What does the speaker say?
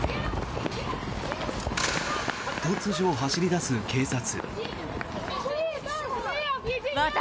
突如走り出す警察。